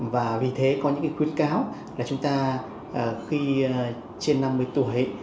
và vì thế có những khuyến cáo là chúng ta khi trên năm mươi tuổi